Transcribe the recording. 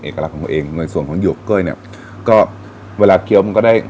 เอกลักษณ์ของเขาเองโดยส่วนของหยวกเก้ยเนี่ยก็เวลาเคี้ยวมันก็ได้